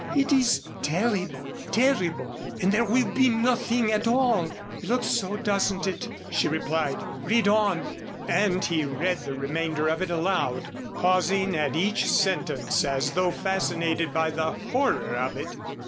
"It is terrible terrible. And there will be nothing at all." "It looks so, doesn't it?" she replied. "Read on." And he read the remainder of it aloud, pausing at each sentence as though fascinated by the horror of it.